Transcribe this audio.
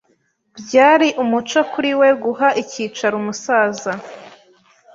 Byari umuco kuri we guha icyicaro umusaza.